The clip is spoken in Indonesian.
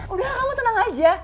udah kamu tenang aja